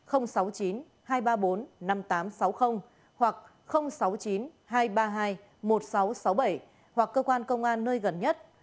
hoặc sáu mươi chín hai trăm ba mươi hai một nghìn sáu trăm sáu mươi bảy hoặc cơ quan công an nơi gần nhất